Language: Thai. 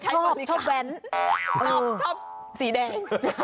ชอบสีแดง